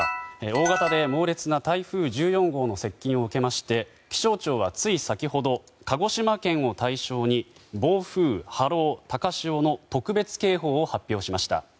大型で猛烈な台風１４号の接近を受けまして気象庁はつい先ほど鹿児島県を対象に暴風、波浪、高潮の特別警報を発表しました。